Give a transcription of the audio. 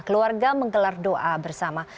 keluarga menggelar doa bersama